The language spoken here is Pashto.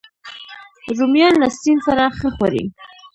رومیان له سیند سره ښه خوري